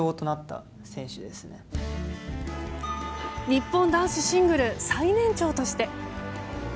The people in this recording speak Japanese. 日本男子シングル最年長として。